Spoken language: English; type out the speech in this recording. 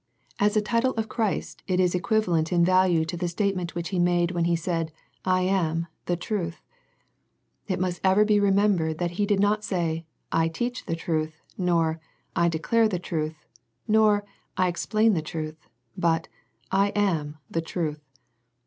As a title of Christ it is equivalent in value to the state ment which He made when he said " I am the truth." It must ever be remembered that He did not say " I teach the truth," nor, " I de clare the truth," nor " I explain the truth," but " I am the truth."